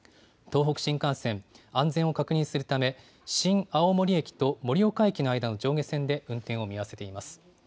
東北新幹線、安全を確認するため、新青森駅と盛岡駅の間の上下線で運転を見合わせています。